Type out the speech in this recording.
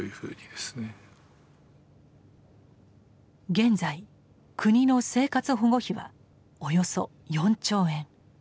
現在国の生活保護費はおよそ４兆円。